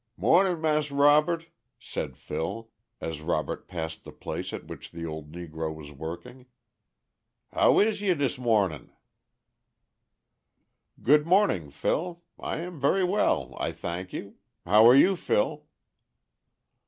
"Mornin' Mas' Robert," said Phil, as Robert passed the place at which the old negro was working. "How is ye dis mornin'?" "Good morning, Phil. I am very well, I thank you. How are you, Phil?"